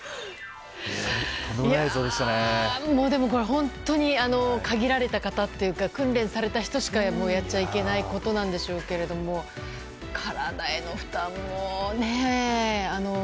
本当に限られた方というか訓練された人しかやっちゃいけないことなんでしょうけど体への負担もね。